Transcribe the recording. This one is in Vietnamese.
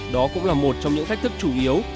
đó cũng là một trong những thách thức chủ yếu